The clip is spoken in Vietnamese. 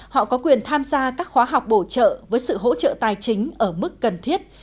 họ có quyền tham gia các khóa học bổ trợ với sự hỗ trợ tài chính ở mức cần thiết